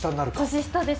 年下です。